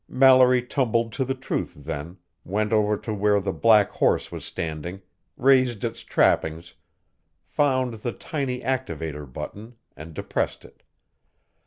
Mallory tumbled to the truth then, went over to where the black "horse" was standing, raised its trappings, found the tiny activator button, and depressed it.